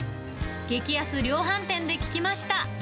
激安量販店で聞きました。